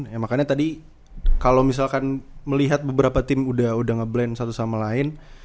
ya makanya tadi kalau misalkan melihat beberapa tim udah nge blend satu sama lain